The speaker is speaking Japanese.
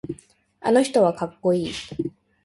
あの人はかっこいい。